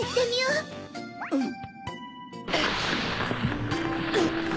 うん。